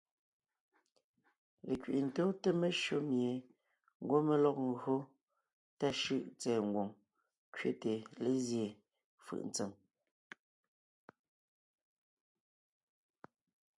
Lekẅi’i tóonte meshÿó mie ńgwɔ́ mé lɔg ńgÿo tà shʉ́ʼ tsɛ̀ɛ ngwòŋ kẅete lézyéen fʉʼ ntsèm.